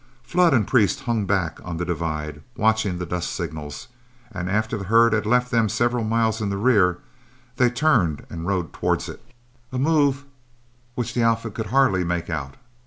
Flood and Priest hung back on the divide, watching the dust signals, and after the herd had left them several miles in the rear, they turned and rode towards it, a move which the outfit could hardly make out.